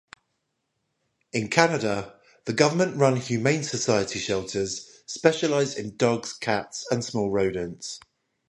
In Canada, the government-run Humane Society shelters specialize in dogs, cats, and small rodents.